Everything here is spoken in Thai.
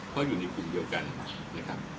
เพราะอยู่ในกลุ่มเดียวกันนะครับ